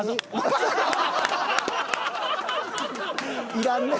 いらんねえ。